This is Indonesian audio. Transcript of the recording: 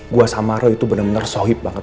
gue sama roy itu bener bener sohib banget